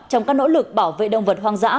trong các nỗ lực bảo vệ động vật hoang dã